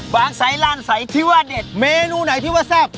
ใสล่านใสที่ว่าเด็ดเมนูไหนที่ว่าแซ่บ